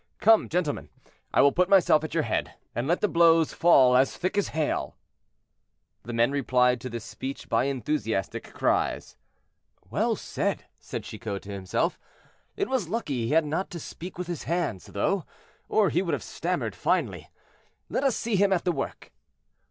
Come, gentlemen, I will put myself at your head, and let the blows fall as thick as hail." The men replied to this speech by enthusiastic cries. "Well said," said Chicot to himself. "It was lucky he had not to speak with his hands, though, or he would have stammered finely. Let us see him at the work."